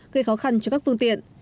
gây khó khăn cho các phương tiện